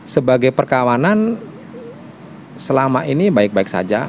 sebagai perkawanan selama ini baik baik saja